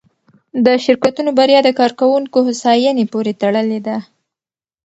د شرکتونو بریا د کارکوونکو هوساینې پورې تړلې ده.